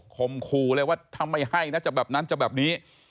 คมคู่เลยว่าถ้าไม่ให้นะจะแบบนั้นจะแบบนี้